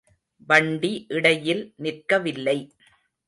வண்டி இடையில் நிற்கவில்லை.